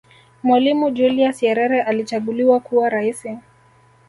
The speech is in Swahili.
mwalimu julius yerere alichaguliwa kuwa raisi